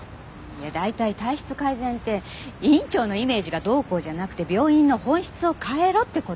大体体質改善って院長のイメージがどうこうじゃなくて病院の本質を変えろって事でしょ。